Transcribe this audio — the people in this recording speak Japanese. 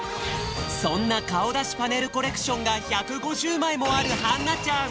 そんなかおだしパネルコレクションが１５０まいもあるはんなちゃん。